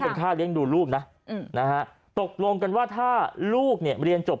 เป็นค่าเลี้ยงดูลูกนะตกลงกันว่าถ้าลูกเนี่ยเรียนจบ